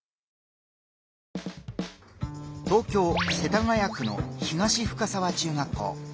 東京・世田谷区の東深沢中学校。